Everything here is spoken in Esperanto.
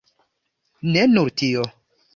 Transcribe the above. Ne nur tio.